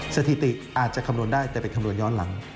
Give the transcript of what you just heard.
สถิติอาจจะคำนวณได้แต่เป็นคำนวณย้อนหลัง